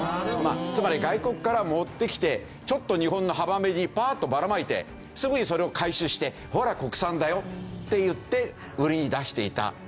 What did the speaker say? つまり外国から持ってきてちょっと日本の浜辺にパーッとばらまいてすぐにそれを回収してほら国産だよって言って売りに出していた。